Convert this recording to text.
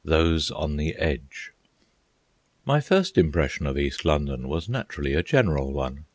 THOSE ON THE EDGE My first impression of East London was naturally a general one.